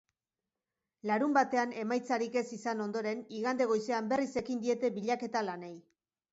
Larunbatean emaitzarik ez izan ondoren, igande goizean berriz ekin diete bilaketa lanei.